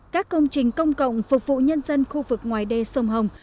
các công trình công cộng phục vụ nhân dân khu vực ngoài đê sông hồng